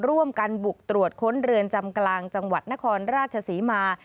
ร่วมกันบุกตรวจค้นเรือนจำกลางจังหวัดนครราชศรีมา